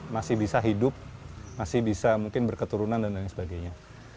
masih bisa hidup masih bisa mungkin berketurunan dan lain sebagainya